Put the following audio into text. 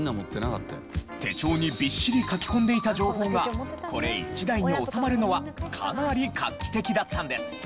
手帳にビッシリ書き込んでいた情報がこれ１台に収まるのはかなり画期的だったんです。